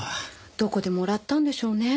どこでもらったんでしょうねぇ。